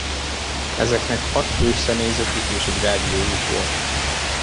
Ezeknek hat fős személyzetük és egy rádiójuk volt.